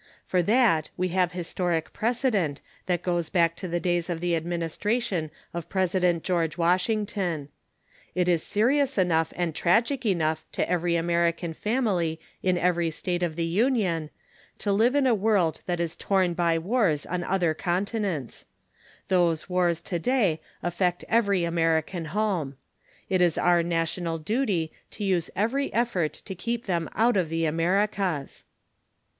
For that we have historic precedent that goes back to the days of the administration of President George Washington. It is serious enough and tragic enough to every American family in every state in the Union to live in a world that is torn by wars on other continents. Those wars today affect every American home. It is our national duty to use every effort to keep them out of the Americas.